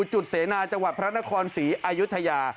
จุดเสนาจังหวัดพระนครศรีอายุทยา